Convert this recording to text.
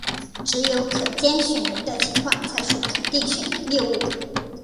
只有可兼选言的情况才属肯定选言谬误。